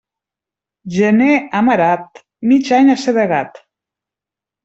Gener amarat, mig any assedegat.